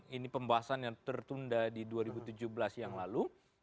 ini pembahasan yang tertunda di dua ribu tujuh belas yang lalu